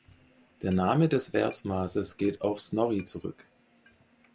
Der Name des Versmaßes geht auf Snorri zurück.